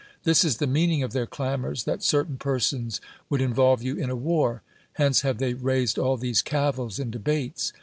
This is the meaning of their clamors that certain persons would involve you in a war: hence have they raised all these cavils and debates.